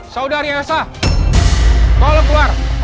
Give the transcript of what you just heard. saudari elsa tolong keluar